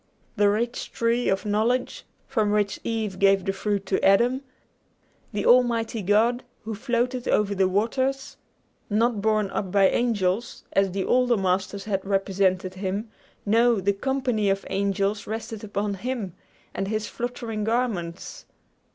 The rich tree of knowledge, from which Eve gave the fruit to Adam; the Almighty God, who floated over the waters, not borne up by angels, as the older masters had represented him no, the company of angels rested upon him and his fluttering garments.